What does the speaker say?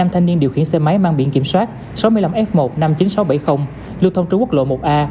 năm thanh niên điều khiển xe máy mang biển kiểm soát sáu mươi năm f một năm mươi chín nghìn sáu trăm bảy mươi lưu thông trên quốc lộ một a